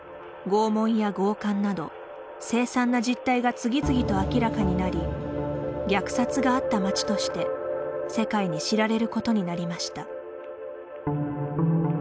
拷問や強姦など凄惨な実態が次々と明らかになり虐殺があった町として世界に知られることになりました。